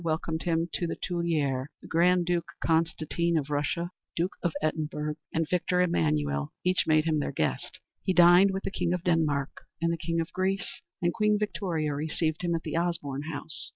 welcomed him to the Tuileries; the Grand Duke Constantine of Russia, Duke of Edinburgh, and Victor Emmanuel each made him their guest; he dined with the King of Denmark and the King of Greece, and Queen Victoria received him at the Osborne House.